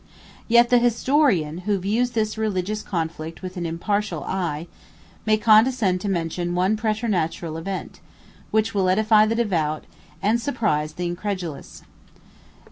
Yet the historian, who views this religious conflict with an impartial eye, may condescend to mention one preternatural event, which will edify the devout, and surprise the incredulous.